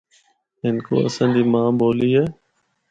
ہندکو اساں دی ماں بولی اے۔